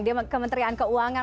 di kementerian keuangan